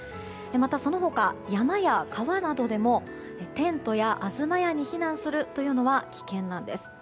また、その他山や川などでもテントに避難するというのは危険なんです。